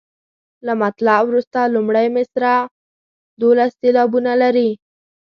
له مطلع وروسته لومړۍ مصرع دولس سېلابونه لري.